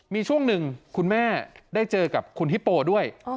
มีช่วงหนึ่งคุณแม่ได้เจอกับคุณฮิปโปด้วย